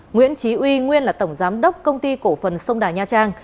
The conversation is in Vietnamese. nguyễn trí uy nguyên là tổng giám đốc công ty cổ phần sông đà nha trang